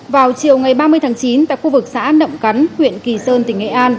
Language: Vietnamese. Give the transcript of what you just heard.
vào chiều ngày ba mươi tháng chín tại khu vực xã nậm cắn huyện kỳ sơn tỉnh nghệ an